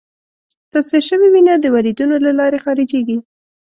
تصفیه شوې وینه د وریدونو له لارې خارجېږي.